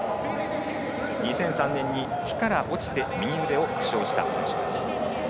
２００３年に木から落ちて右腕を負傷した選手。